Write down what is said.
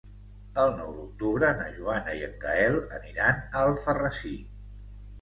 El nou d'octubre na Joana i en Gaël aniran a Alfarrasí.